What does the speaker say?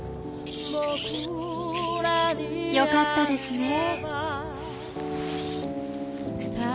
よかったですねえ。